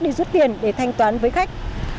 đi rút tiền để thanh toán với khách